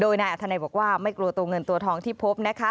โดยนายอัธนัยบอกว่าไม่กลัวตัวเงินตัวทองที่พบนะคะ